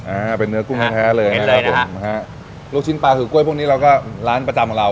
อ่าเป็นเนื้อกุ้งแท้แท้เลยนะครับผมนะฮะลูกชิ้นปลาคือกล้วยพวกนี้เราก็ร้านประจำของเรา